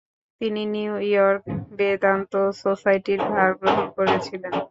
তিনি New York Vedanta সোসাইটির ভার গ্রহণ করেছিলেন।